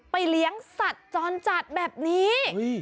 เลี้ยงสัตว์จรจัดแบบนี้